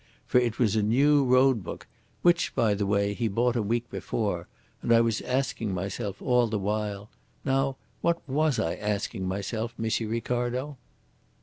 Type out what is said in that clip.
For it was a new road book, which, by the way, he bought a week before, and I was asking myself all the while now what was I asking myself, M. Ricardo?"